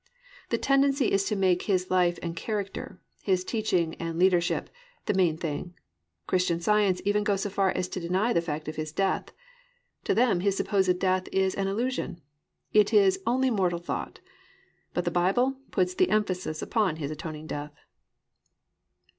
The tendency is to make His life and character, His teaching and leadership, the main thing. Christian Science even goes so far as to deny the fact of His death. To them His supposed death is "an illusion," it is "only mortal thought," but the Bible puts the emphasis upon His atoning death.